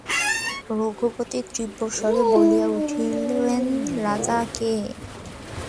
রঘুপতি তীব্রস্বরে বলিয়া উঠিলেন, রাজা কে!